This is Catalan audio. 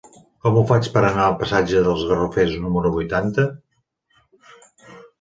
Com ho faig per anar al passatge dels Garrofers número vuitanta?